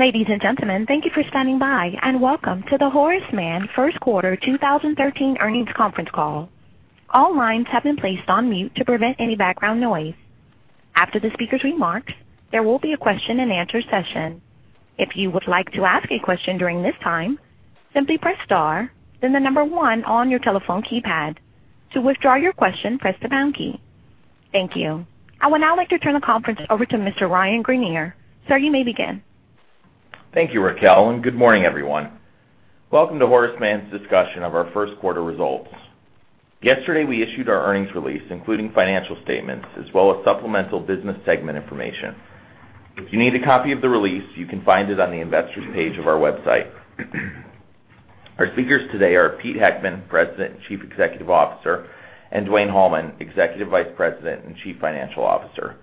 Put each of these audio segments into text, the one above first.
Ladies and gentlemen, thank you for standing by, and welcome to the Horace Mann first quarter 2013 earnings conference call. All lines have been placed on mute to prevent any background noise. After the speakers' remarks, there will be a question and answer session. If you would like to ask a question during this time, simply press star then the number 1 on your telephone keypad. To withdraw your question, press the pound key. Thank you. I would now like to turn the conference over to Mr. Ryan Greenier. Sir, you may begin. Thank you, Raquel, and good morning, everyone. Welcome to Horace Mann's discussion of our first quarter results. Yesterday, we issued our earnings release, including financial statements as well as supplemental business segment information. If you need a copy of the release, you can find it on the investors page of our website. Our speakers today are Peter Heckman, President and Chief Executive Officer, and Dwayne Hallman, Executive Vice President and Chief Financial Officer.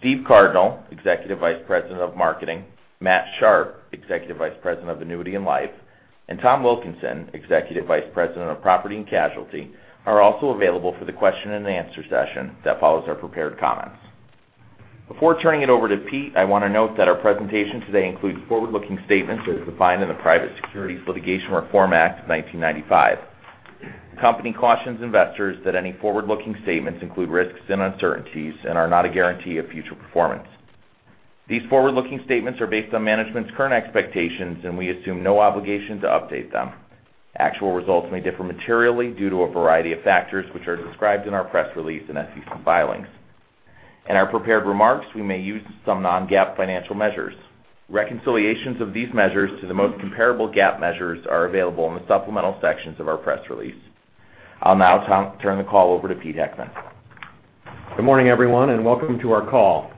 Steven Cardinal, Executive Vice President of Marketing, Matthew Sharpe, Executive Vice President of Annuity and Life, and Tom Wilkinson, Executive Vice President of Property and Casualty, are also available for the question and answer session that follows our prepared comments. Before turning it over to Pete, I want to note that our presentation today includes forward-looking statements as defined in the Private Securities Litigation Reform Act of 1995. The company cautions investors that any forward-looking statements include risks and uncertainties and are not a guarantee of future performance. These forward-looking statements are based on management's current expectations, and we assume no obligation to update them. Actual results may differ materially due to a variety of factors, which are described in our press release and SEC filings. In our prepared remarks, we may use some non-GAAP financial measures. Reconciliations of these measures to the most comparable GAAP measures are available in the supplemental sections of our press release. I'll now turn the call over to Peter Heckman. Good morning, everyone, and welcome to our call.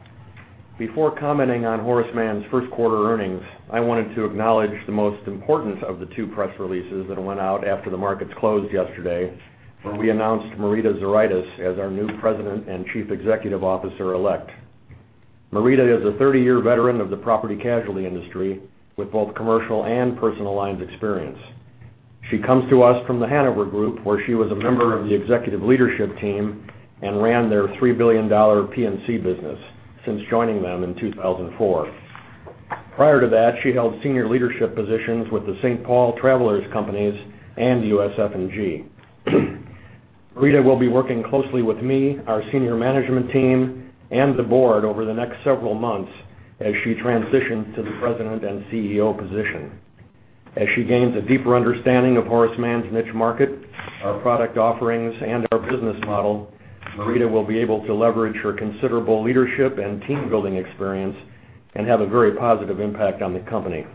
Before commenting on Horace Mann's first quarter earnings, I wanted to acknowledge the most important of the two press releases that went out after the markets closed yesterday, where we announced Marita Zuraitis as our new President and Chief Executive Officer elect. Marita is a 30-year veteran of the property casualty industry with both commercial and personal lines experience. She comes to us from The Hanover Group, where she was a member of the executive leadership team and ran their $3 billion P&C business since joining them in 2004. Prior to that, she held senior leadership positions with The St. Paul Travelers Companies and USF&G. Marita will be working closely with me, our senior management team, and the board over the next several months as she transitions to the President and CEO position. As she gains a deeper understanding of Horace Mann's niche market, our product offerings, and our business model, Marita will be able to leverage her considerable leadership and team-building experience and have a very positive impact on the company.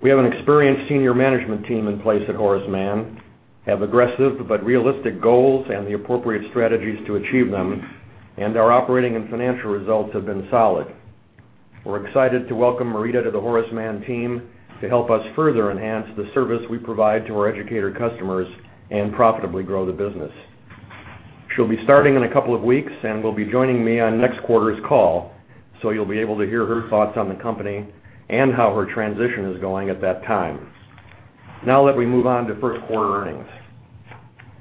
We have an experienced senior management team in place at Horace Mann, have aggressive but realistic goals and the appropriate strategies to achieve them. Our operating and financial results have been solid. We're excited to welcome Marita to the Horace Mann team to help us further enhance the service we provide to our educator customers and profitably grow the business. She'll be starting in a couple of weeks and will be joining me on next quarter's call. You'll be able to hear her thoughts on the company and how her transition is going at that time. Let me move on to first quarter earnings.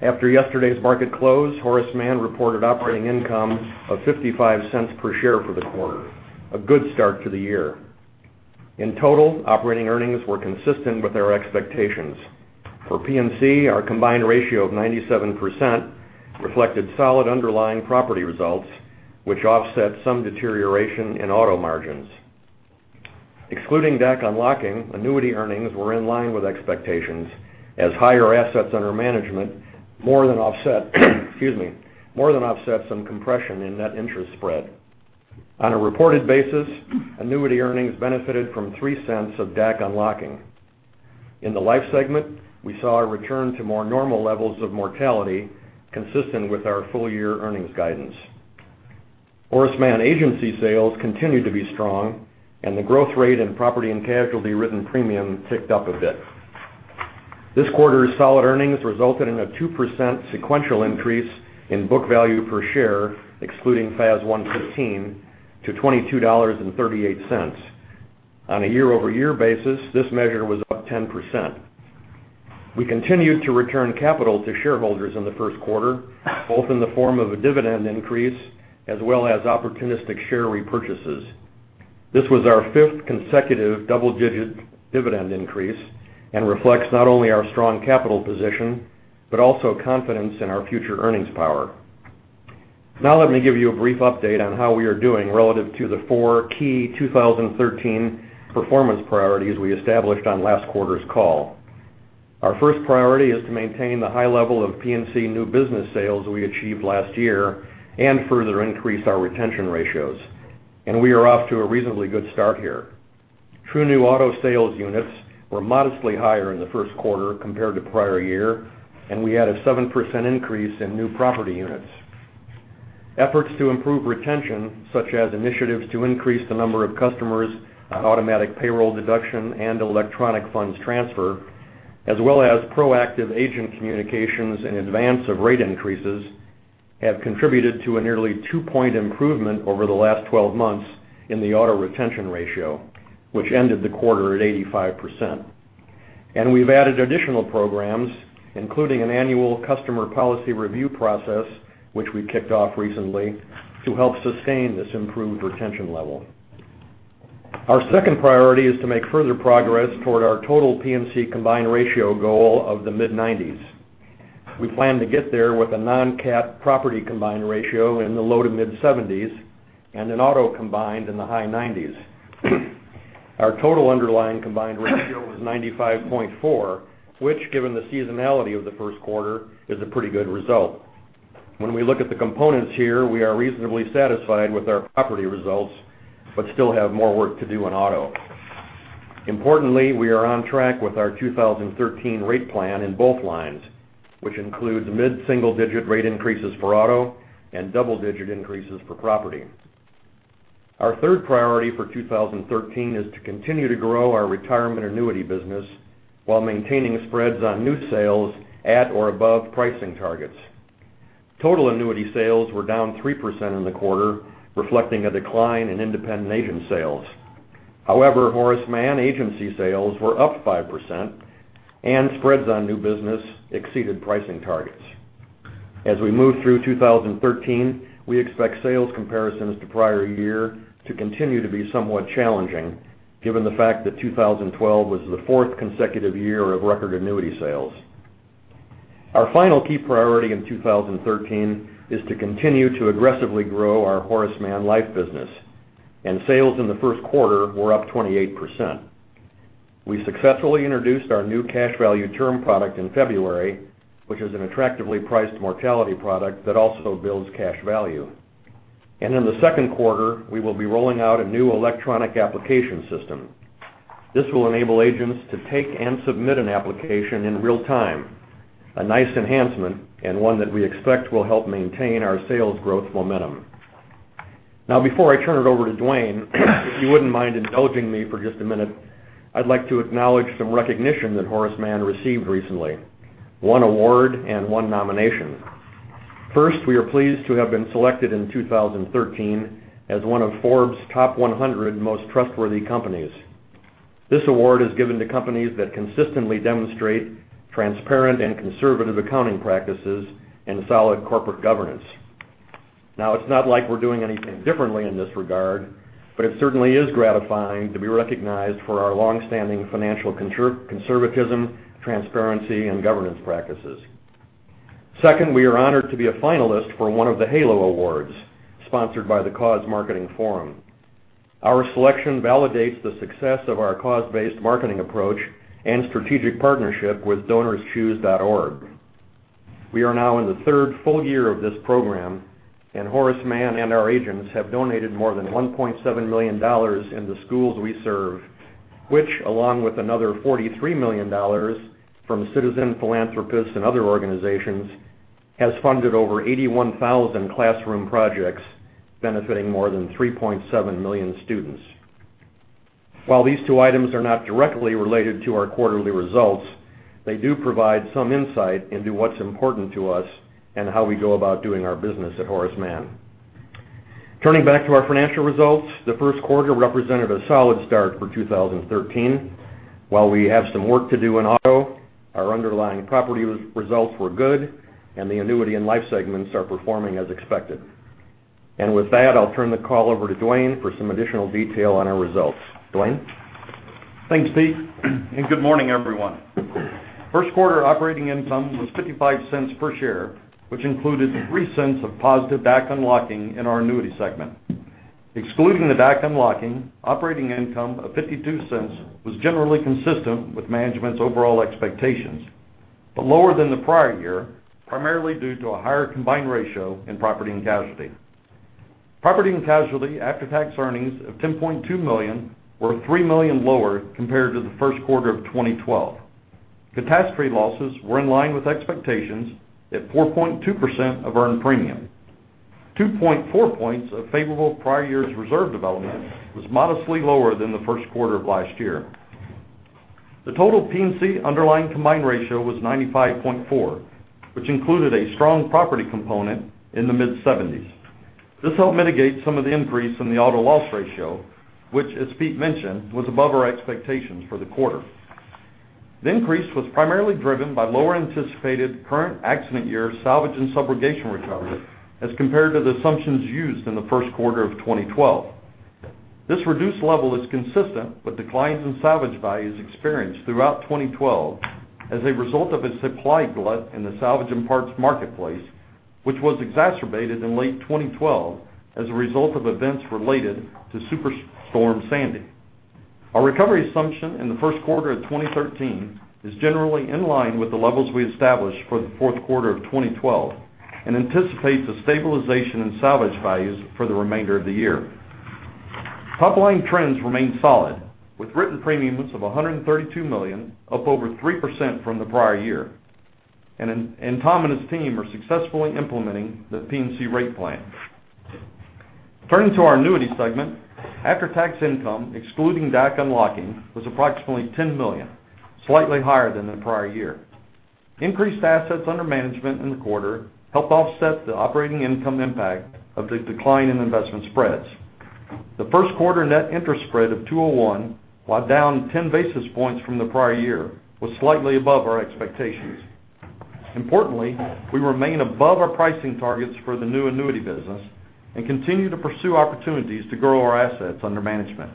After yesterday's market close, Horace Mann reported operating income of $0.55 per share for the quarter, a good start to the year. In total, operating earnings were consistent with our expectations. For P&C, our combined ratio of 97% reflected solid underlying property results, which offset some deterioration in auto margins. Excluding DAC unlocking, annuity earnings were in line with expectations as higher assets under management more than offset some compression in net interest spread. On a reported basis, annuity earnings benefited from $0.03 of DAC unlocking. In the life segment, we saw a return to more normal levels of mortality consistent with our full-year earnings guidance. Horace Mann agency sales continued to be strong. The growth rate in property and casualty written premium ticked up a bit. This quarter's solid earnings resulted in a 2% sequential increase in book value per share, excluding FAS 115 to $22.38. On a year-over-year basis, this measure was up 10%. We continued to return capital to shareholders in the first quarter, both in the form of a dividend increase as well as opportunistic share repurchases. This was our fifth consecutive double-digit dividend increase and reflects not only our strong capital position but also confidence in our future earnings power. Let me give you a brief update on how we are doing relative to the four key 2013 performance priorities we established on last quarter's call. Our first priority is to maintain the high level of P&C new business sales we achieved last year and further increase our retention ratios. We are off to a reasonably good start here. True new auto sales units were modestly higher in the first quarter compared to prior year, and we had a 7% increase in new property units. Efforts to improve retention, such as initiatives to increase the number of customers on automatic payroll deduction and electronic funds transfer, as well as proactive agent communications in advance of rate increases, have contributed to a nearly two-point improvement over the last 12 months in the auto retention ratio, which ended the quarter at 85%. We've added additional programs, including an annual customer policy review process, which we kicked off recently, to help sustain this improved retention level. Our second priority is to make further progress toward our total P&C combined ratio goal of the mid-90s. We plan to get there with a non-CAT property combined ratio in the low to mid 70s and an auto combined in the high 90s. Our total underlying combined ratio was 95.4, which, given the seasonality of the first quarter, is a pretty good result. When we look at the components here, we are reasonably satisfied with our property results, but still have more work to do in auto. Importantly, we are on track with our 2013 rate plan in both lines, which includes mid-single-digit rate increases for auto and double-digit increases for property. Our third priority for 2013 is to continue to grow our retirement annuity business while maintaining spreads on new sales at or above pricing targets. Total annuity sales were down 3% in the quarter, reflecting a decline in independent agent sales. However, Horace Mann agency sales were up 5% and spreads on new business exceeded pricing targets. As we move through 2013, we expect sales comparisons to prior year to continue to be somewhat challenging, given the fact that 2012 was the fourth consecutive year of record annuity sales. Our final key priority in 2013 is to continue to aggressively grow our Horace Mann Life business, and sales in the first quarter were up 28%. We successfully introduced our new cash value term product in February, which is an attractively priced mortality product that also builds cash value. In the second quarter, we will be rolling out a new electronic application system. This will enable agents to take and submit an application in real time, a nice enhancement and one that we expect will help maintain our sales growth momentum. Before I turn it over to Dwayne, if you wouldn't mind indulging me for just a minute, I'd like to acknowledge some recognition that Horace Mann received recently, one award and one nomination. First, we are pleased to have been selected in 2013 as one of Forbes' Top 100 Most Trustworthy Companies. This award is given to companies that consistently demonstrate transparent and conservative accounting practices and solid corporate governance. It's not like we're doing anything differently in this regard, but it certainly is gratifying to be recognized for our longstanding financial conservatism, transparency, and governance practices. Second, we are honored to be a finalist for one of the HALO Awards, sponsored by the Cause Marketing Forum. Our selection validates the success of our cause-based marketing approach and strategic partnership with DonorsChoose.org. We are now in the third full year of this program, and Horace Mann and our agents have donated more than $1.7 million in the schools we serve, which, along with another $43 million from citizen philanthropists and other organizations, has funded over 81,000 classroom projects benefiting more than 3.7 million students. While these two items are not directly related to our quarterly results, they do provide some insight into what's important to us and how we go about doing our business at Horace Mann. Turning back to our financial results, the first quarter represented a solid start for 2013. While we have some work to do in auto, our underlying property results were good and the annuity and life segments are performing as expected. With that, I'll turn the call over to Dwayne for some additional detail on our results. Dwayne? Thanks, Pete, good morning, everyone. First quarter operating income was $0.55 per share, which included $0.03 of positive DAC unlocking in our annuity segment. Excluding the DAC unlocking, operating income of $0.52 was generally consistent with management's overall expectations, lower than the prior year, primarily due to a higher combined ratio in P&C. P&C after-tax earnings of $10.2 million were $3 million lower compared to the first quarter of 2012. Catastrophe losses were in line with expectations at 4.2% of earned premium. 2.4 percentage points of favorable prior year's reserve development was modestly lower than the first quarter of last year. The total P&C underlying combined ratio was 95.4%, which included a strong property component in the mid-70s. This helped mitigate some of the increase in the auto loss ratio, which, as Pete mentioned, was above our expectations for the quarter. The increase was primarily driven by lower anticipated current accident year salvage and subrogation recovery as compared to the assumptions used in the first quarter of 2012. This reduced level is consistent with declines in salvage values experienced throughout 2012 as a result of a supply glut in the salvage and parts marketplace, which was exacerbated in late 2012 as a result of events related to Superstorm Sandy. Our recovery assumption in the first quarter of 2013 is generally in line with the levels we established for the fourth quarter of 2012 and anticipates a stabilization in salvage values for the remainder of the year. Top-line trends remain solid, with written premiums of $132 million, up over 3% from the prior year. Tom and his team are successfully implementing the P&C rate plan. Turning to our annuity segment, after-tax income, excluding DAC unlocking, was approximately $10 million, slightly higher than the prior year. Increased assets under management in the quarter helped offset the operating income impact of the decline in investment spreads. The first quarter net interest spread of 201 basis points, while down 10 basis points from the prior year, was slightly above our expectations. Importantly, we remain above our pricing targets for the new annuity business and continue to pursue opportunities to grow our assets under management.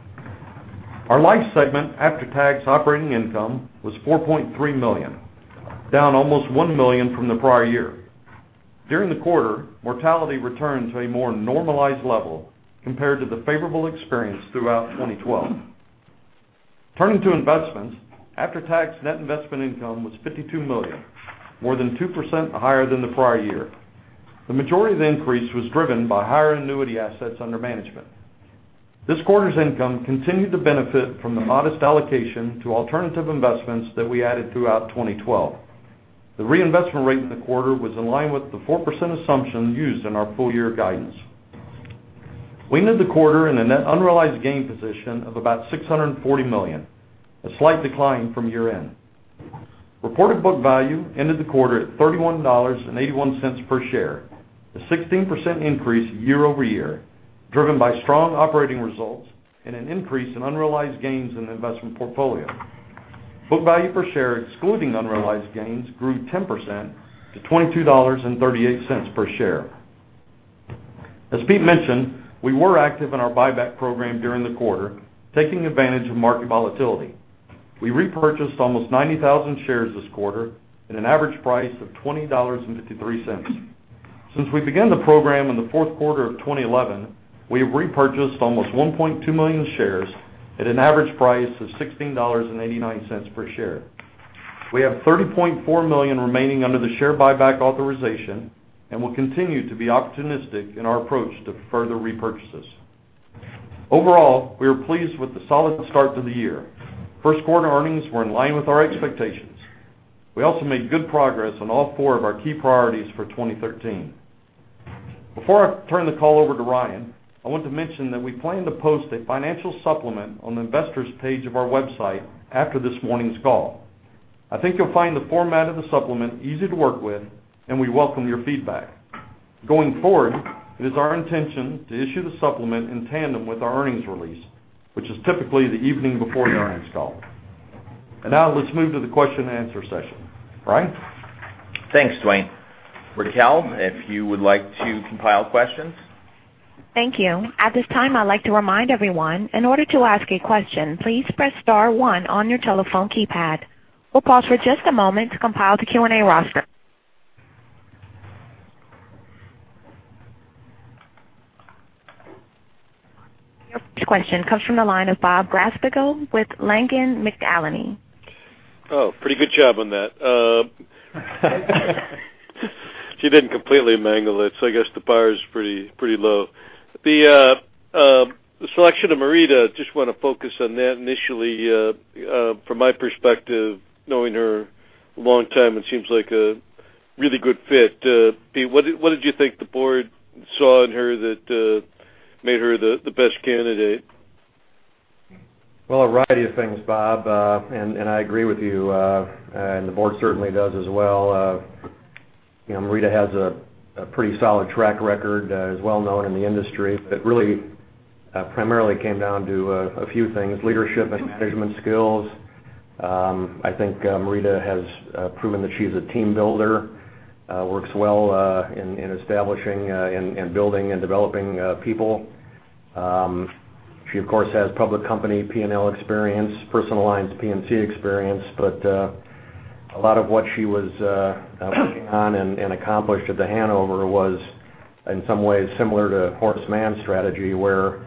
Our life segment after-tax operating income was $4.3 million, down almost $1 million from the prior year. During the quarter, mortality returned to a more normalized level compared to the favorable experience throughout 2012. Turning to investments, after-tax net investment income was $52 million, more than 2% higher than the prior year. The majority of the increase was driven by higher annuity assets under management. This quarter's income continued to benefit from the modest allocation to alternative investments that we added throughout 2012. The reinvestment rate in the quarter was in line with the 4% assumption used in our full-year guidance. We ended the quarter in a net unrealized gain position of about $640 million, a slight decline from year-end. Reported book value ended the quarter at $31.81 per share, a 16% increase year-over-year, driven by strong operating results and an increase in unrealized gains in the investment portfolio. Book value per share, excluding unrealized gains, grew 10% to $22.38 per share. As Pete mentioned, we were active in our buyback program during the quarter, taking advantage of market volatility. We repurchased almost 90,000 shares this quarter at an average price of $20.53. Since we began the program in the fourth quarter of 2011, we have repurchased almost 1.2 million shares at an average price of $16.89 per share. We have $30.4 million remaining under the share buyback authorization and will continue to be opportunistic in our approach to further repurchases. Overall, we are pleased with the solid start to the year. First quarter earnings were in line with our expectations. We also made good progress on all four of our key priorities for 2013. Before I turn the call over to Ryan, I want to mention that we plan to post a financial supplement on the investors page of our website after this morning's call. I think you'll find the format of the supplement easy to work with, and we welcome your feedback. Going forward, it is our intention to issue the supplement in tandem with our earnings release, which is typically the evening before the earnings call. Now let's move to the question and answer session. Ryan? Thanks, Dwayne. Raquel, if you would like to compile questions. Thank you. At this time, I'd like to remind everyone, in order to ask a question, please press star one on your telephone keypad. We'll pause for just a moment to compile the Q&A roster. Your first question comes from the line of Bob Glasspiegel with Langen McAlenney. Oh, pretty good job on that. She didn't completely mangle it, so I guess the bar is pretty low. The selection of Marita, I just want to focus on that initially. From my perspective, knowing her a long time, it seems like a really good fit. Pete, what did you think the board saw in her that made her the best candidate? Well, a variety of things, Bob. I agree with you, and the board certainly does as well. Marita has a pretty solid track record, is well-known in the industry, really primarily came down to a few things, leadership and management skills. I think Marita has proven that she's a team builder, works well in establishing and building and developing people. She, of course, has public company P&L experience, personal lines P&C experience. A lot of what she was taking on and accomplished at The Hanover was, in some ways, similar to Horace Mann's strategy, where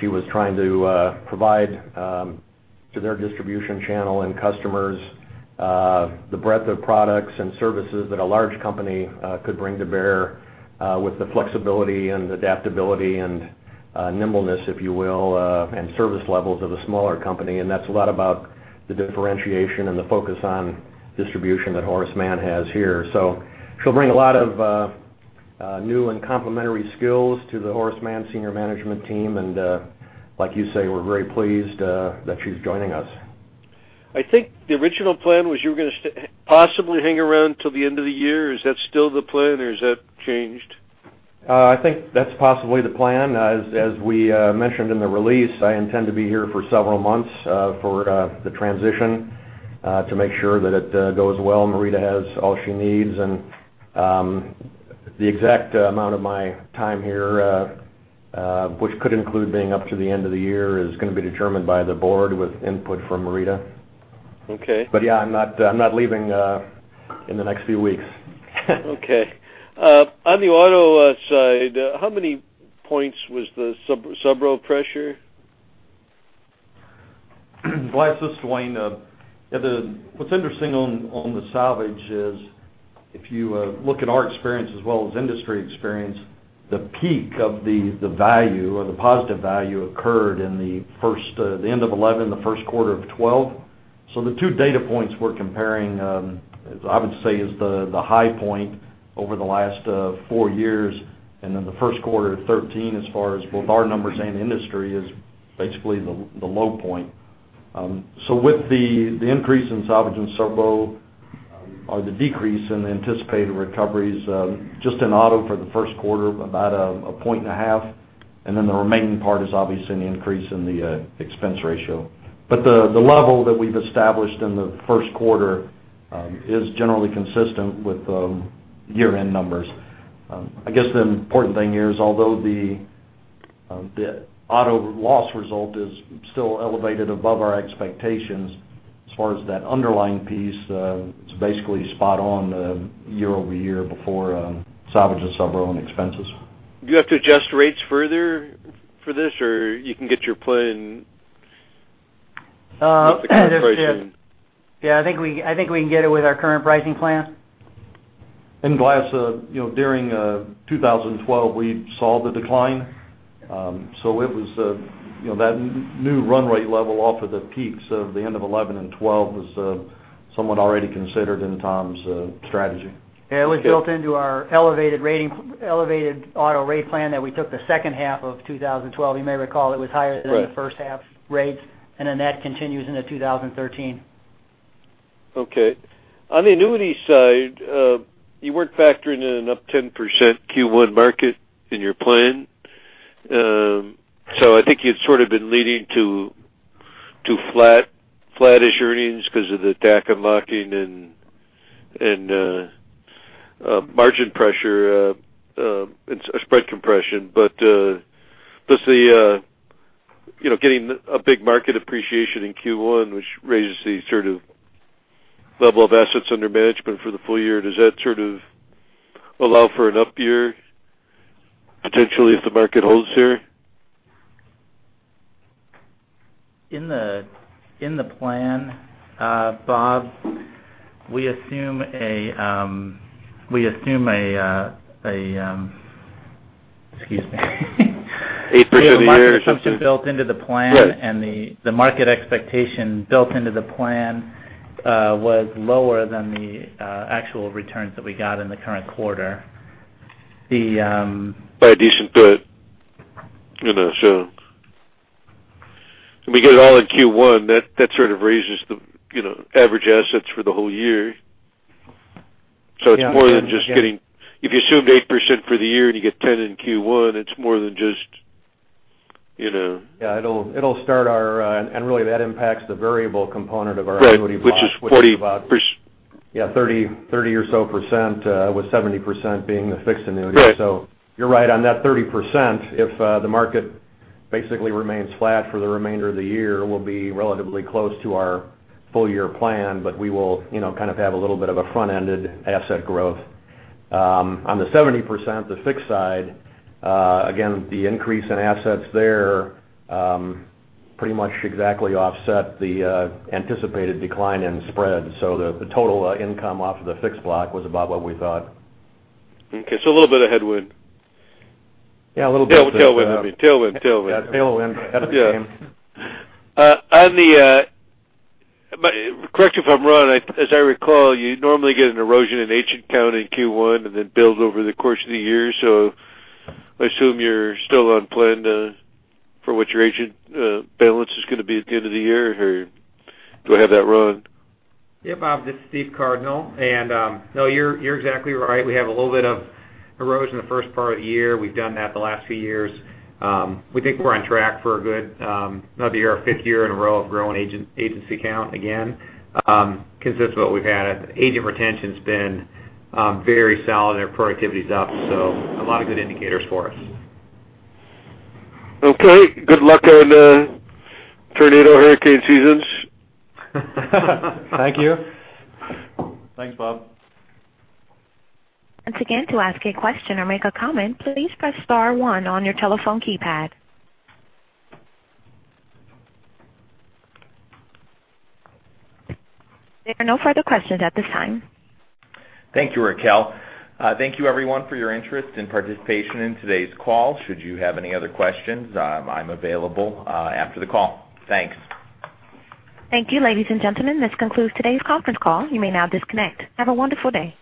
she was trying to provide to their distribution channel and customers the breadth of products and services that a large company could bring to bear with the flexibility and adaptability and nimbleness, if you will, and service levels of a smaller company. That's a lot about the differentiation and the focus on distribution that Horace Mann has here. She'll bring a lot of new and complementary skills to the Horace Mann senior management team. Like you say, we're very pleased that she's joining us. I think the original plan was you were going to possibly hang around till the end of the year. Is that still the plan, or has that changed? I think that's possibly the plan. As we mentioned in the release, I intend to be here for several months for the transition to make sure that it goes well, Marita has all she needs. The exact amount of my time here, which could include being up to the end of the year, is going to be determined by the board with input from Marita. Okay. Yeah, I'm not leaving in the next few weeks. Okay. On the auto side, how many points was the subro pressure? [Gladys], this is Dwayne. What's interesting on the salvage is if you look at our experience as well as industry experience, the peak of the value or the positive value occurred in the end of 2011, the first quarter of 2012. The two data points we're comparing, I would say, is the high point over the last four years. Then the first quarter of 2013, as far as both our numbers and industry, is basically the low point. With the increase in salvage and subro The decrease in the anticipated recoveries, just in auto for the first quarter, about a point and a half. The remaining part is obviously an increase in the expense ratio. The level that we've established in the first quarter is generally consistent with the year-end numbers. The important thing here is although the auto loss result is still elevated above our expectations as far as that underlying piece, it's basically spot on year-over-year before salvage and subro expenses. Do you have to adjust rates further for this or you can get your plan with the current pricing? Yeah, I think we can get it with our current pricing plan. In glass, during 2012, we saw the decline. That new run rate level off of the peaks of the end of 2011 and 2012 was somewhat already considered in Tom's strategy. It was built into our elevated auto rate plan that we took the second half of 2012. You may recall it was higher than the first half rates, that continues into 2013. Okay. On the annuity side, you weren't factoring in an up 10% Q1 market in your plan. I think you've sort of been leading to flat-ish earnings because of the DAC unlocking and margin pressure, and spread compression. Does the getting a big market appreciation in Q1, which raises the sort of level of assets under management for the full year, does that sort of allow for an up year potentially if the market holds here? In the plan, Bob, we assume. Excuse me. 8% a year or something. We have a market assumption built into the plan. Right. The market expectation built into the plan was lower than the actual returns that we got in the current quarter. By a decent bit. We get it all in Q1, that sort of raises the average assets for the whole year. Yeah. It's more than just getting. If you assumed 8% for the year and you get 10 in Q1, it's more than just, you know. Yeah, it'll start. Really that impacts the variable component of our annuity block. Right, which is 40%. which is about, yeah, 30% or so, with 70% being the fixed annuity. Right. You're right on that 30%. If the market basically remains flat for the remainder of the year, we'll be relatively close to our full year plan, but we will kind of have a little bit of a front-ended asset growth. On the 70%, the fixed side, again, the increase in assets there pretty much exactly offset the anticipated decline in spread. The total income off of the fixed block was about what we thought. Okay, a little bit of headwind. Yeah, a little bit of- Tailwind, I mean. Tailwind. Yeah, tailwind ahead of steam. Yeah. Correct me if I'm wrong, as I recall, you normally get an erosion in agent count in Q1 and then build over the course of the year. I assume you're still on plan for what your agent balance is going to be at the end of the year? Or do I have that wrong? Yeah, Bob, this is Steven Cardinal. No, you're exactly right. We have a little bit of erosion in the first part of the year. We've done that the last few years. We think we're on track for a good another year, a fifth year in a row of growing agency count again. That's what we've had. Agent retention's been very solid. A lot of good indicators for us. Okay. Good luck on tornado hurricane seasons. Thank you. Thanks, Bob. Once again, to ask a question or make a comment, please press star one on your telephone keypad. There are no further questions at this time. Thank you, Raquel. Thank you everyone for your interest and participation in today's call. Should you have any other questions, I'm available after the call. Thanks. Thank you, ladies and gentlemen. This concludes today's conference call. You may now disconnect. Have a wonderful day.